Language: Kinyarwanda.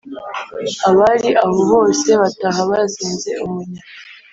abari aho bose bataha bazinze umunya.